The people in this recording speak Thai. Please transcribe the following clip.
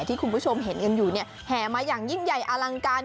ที่คุณผู้ชมเห็นกันอยู่เนี่ยแห่มาอย่างยิ่งใหญ่อลังการ